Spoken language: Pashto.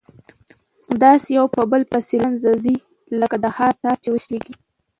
داسي يو په بل پسي له منځه ځي لكه د هار تار چي وشلېږي